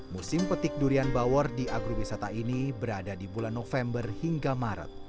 musim petik durian bawor di agrowisata ini berada di bulan november hingga maret